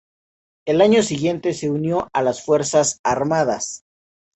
Al año siguiente, se unió a las fuerzas armadas.